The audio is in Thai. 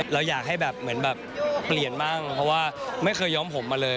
เราอยากให้แบบเหมือนแบบเปลี่ยนบ้างเพราะว่าไม่เคยย้อมผมมาเลย